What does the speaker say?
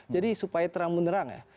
jadi supaya terang menerang ya